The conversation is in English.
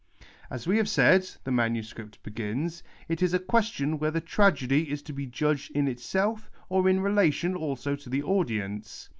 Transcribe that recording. " As we have said,' the MS. begins, " it is a (juestion whether tragedy is to be judged in itself or in relation also to the audience.